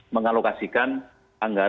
mengalokasikan dan menjaga pendapatan negara